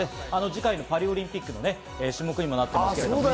次回のパリオリンピックの種目にもなっています。